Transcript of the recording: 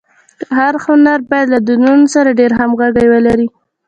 هر هنر باید له دودونو سره ډېره همږغي ولري.